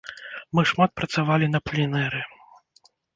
Мы шмат працавалі на пленэры.